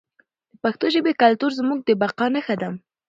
د پښتو ژبې کلتور زموږ د بقا نښه ده.